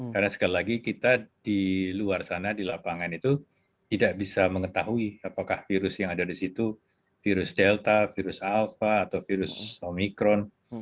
karena sekali lagi kita di luar sana di lapangan itu tidak bisa mengetahui apakah virus yang ada di situ virus delta virus alpha atau virus omikron